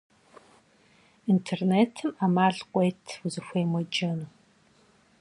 Интернетым ӏэмал къыует узыхуейм уеджэну.